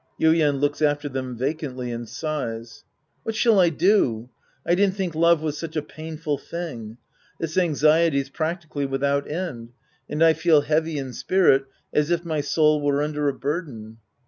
Yuien {looks after them vacantly and sighs). What shall I do ? I didn't think love was such a painful thing. This anxiety's practically without end, and I feel heavy in spirit as if my soul were under a burden.